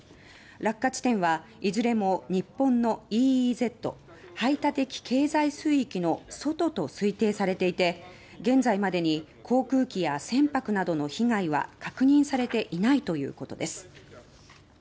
落下地点はいずれも日本のＥＥＺ・排他的経済水域の外と推定されていて現在までに航空機や船舶などの被害は確認されていないということです。